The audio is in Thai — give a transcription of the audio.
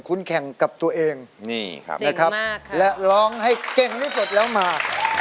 คุณแข่งกับตัวเองและร้องให้เก่งที่สดแล้วมา